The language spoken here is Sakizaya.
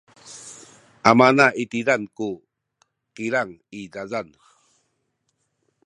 amana itizaen ku kilang i zazan.